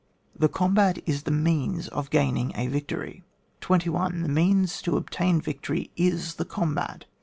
The combat is the means of gaining a victory. 21. The means to obtain victory is the combat.